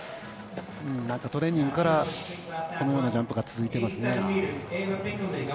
トレーニングからこのようなジャンプが続いていますね。